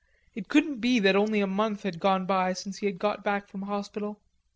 It couldn't be that only a month had gone by since he had got back from hospital.